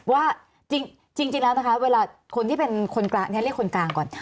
ว่าจริงแล้วนะคะเวลาคนที่เป็นคนกลางเนี่ยเรียกคนกลางก่อน